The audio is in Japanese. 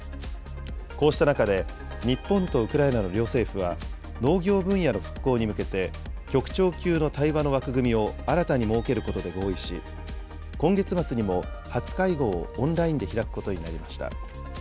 こうした中で、日本とウクライナの両政府は農業分野の復興に向けて、局長級の対話の枠組みを新たに設けることで合意し、今月末にも初会合をオンラインで開くことになりました。